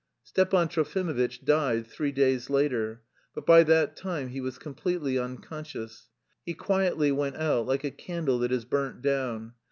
Stepan Trofimovitch died three days later, but by that time he was completely unconscious. He quietly went out like a candle that is burnt down.